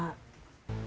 ya supaya dimaafin noni